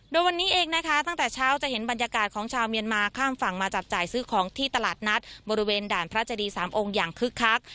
โดยวันนี้เองนะคะตั้งแต่เช้าจะเห็นบรรยากาศของชาวเมียนมาข้ามฝั่งมาจับจ่ายซื้อของที่ตลาดนัดบริเวณด่านพระเจดีสามองค์อย่างคึกคัก